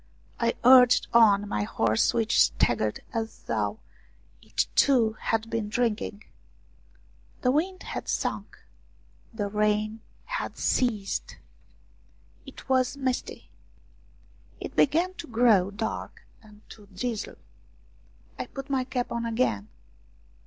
I urged on my horse which staggered as though it, too, had been drinking. The wind had sunk, the rain had ceased. It 44 ROUMANIAN STORIES was misty ; it began to grow dark and to drizzle. I put my cap on again.